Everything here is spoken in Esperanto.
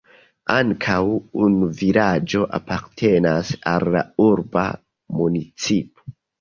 Ankoraŭ unu vilaĝo apartenas al la urba municipo.